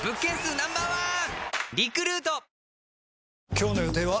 今日の予定は？